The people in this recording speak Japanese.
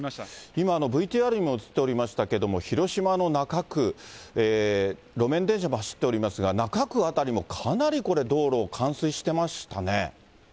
今、ＶＴＲにも映っておりましたけれども、広島の中区、路面電車も走っておりますが、中区辺りも、かなりこれ、道路、冠水してましたね。